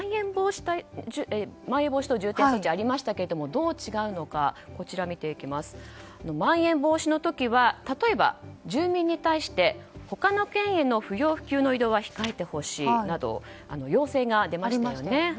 まん延防止等重点措置がありましたけれどもどう違うのか見ていきますとまん延防止の時は例えば、住民に対して他の県への不要不急の移動は控えてほしいなどの要請が出ましたよね。